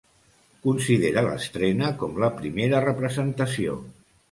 Considera l'estrena com la primera representació.